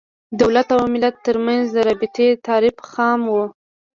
د دولت او ملت تر منځ د رابطې تعریف خام و.